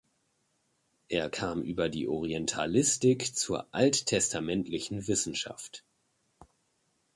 Er kam über die Orientalistik zur alttestamentlichen Wissenschaft.